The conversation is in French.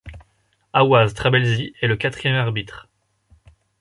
Aouaz Trabelsi est le quatrième arbitre.